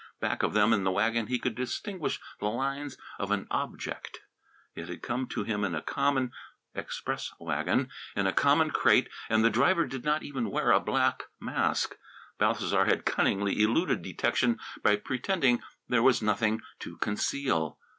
Back of them in the wagon he could distinguish the lines of an Object. It had come to him in a common express wagon, in a common crate, and the driver did not even wear a black mask. Balthasar had cunningly eluded detection by pretending there was nothing to conceal.